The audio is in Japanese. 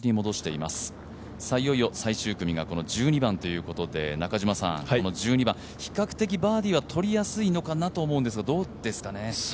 いよいよ最終組が１２番ということで、１２番、比較的バーディーはとりやすいかなと思うんですが、どうですかね？